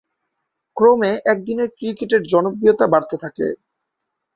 ক্রমে একদিনের ক্রিকেটের জনপ্রিয়তা বাড়তে থাকে।